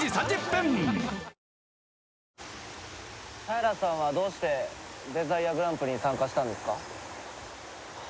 平さんはどうしてデザイアグランプリに参加したんですか？